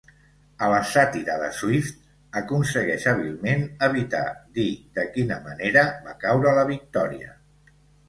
A la sàtira de Swift, aconsegueix hàbilment evitar dir de quina manera va caure la victòria.